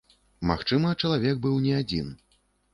Магчыма, чалавек быў не адзін.